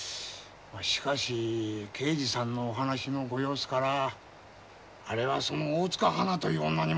しかし刑事さんのお話のご様子からあれはその大塚ハナという女に間違いございません。